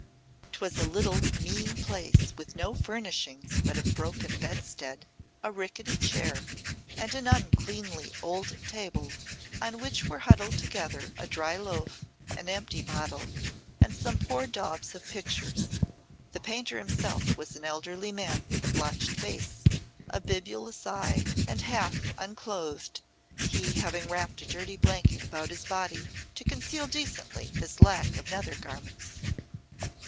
'Twas a little mean place with no furnishings but a broken bedstead, a rickety chair, and an uncleanly old table on which were huddled together a dry loaf, an empty bottle, and some poor daubs of pictures. The painter himself was an elderly man with a blotched face, a bibulous eye, and half unclothed, he having wrapped a dirty blanket about his body to conceal decently his lack of nether garments.